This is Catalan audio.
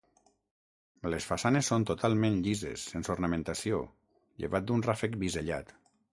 Les façanes són totalment llises, sense ornamentació llevat d'un ràfec bisellat.